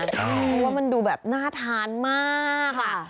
เพราะว่ามันดูแบบน่าทานมากค่ะ